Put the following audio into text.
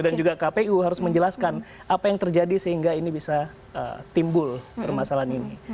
juga kpu harus menjelaskan apa yang terjadi sehingga ini bisa timbul permasalahan ini